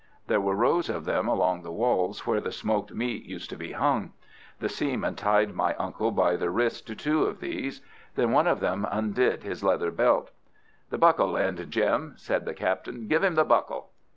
There were rows of them along the walls where the smoked meat used to be hung. The seamen tied my uncle by the wrists to two of these. Then one of them undid his leather belt. "The buckle end, Jim," said the captain. "Give him the buckle."